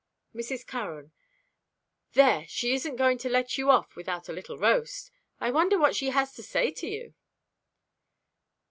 Mrs. Curran.—"There! She isn't going to let you off without a little roast. I wonder what she has to say to you."